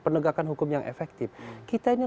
penegakan hukum yang efektif kita ini